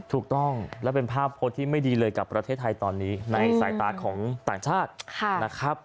ถูกต้องและเป็นภาพโพสต์ที่ไม่ดีเลยกับประเทศไทยตอนนี้ในสายตาของต่างชาตินะครับ